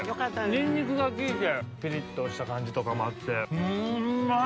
ニンニクが効いてピリっとした感じとかもあってうまっ！